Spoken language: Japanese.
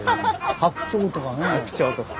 白鳥とか。